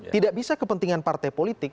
tidak bisa kepentingan partai politik